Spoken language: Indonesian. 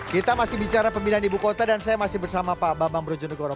kita masih bicara pemindahan ibu kota dan saya masih bersama pak bambang brojonegoro